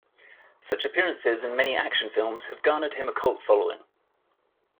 Such appearances in many action films have garnered him a cult following.